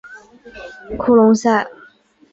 库隆塞。